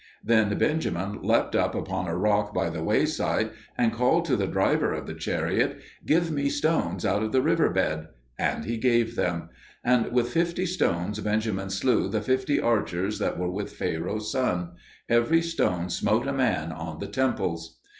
Then Benjamin leapt up upon a rock by the way side, and called to the driver of the chariot, "Give me stones out of the river bed." And he gave them; and with fifty stones Benjamin slew the fifty archers that were with Pharaoh's son; every stone smote a man on the temples.